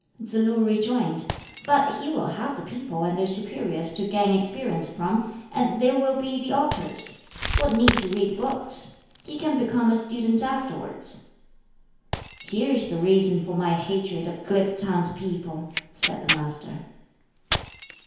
Tsz lu rejoined, "But he will have the people and their superiors to gain experience from, and there will be the altars; what need to read books? He can become a student afterwards." "Here is the reason for my hatred of glib tongued people," said the Master.